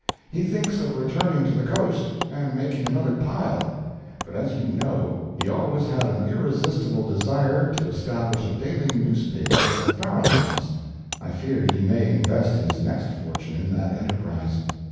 He thinks of returning to the Coast and making another pile; but as you know he always had an irresistible desire to establish a daily newspaper at the Farallones. I fear he may invest his next fortune in that enterprise.